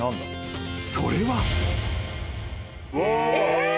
それは］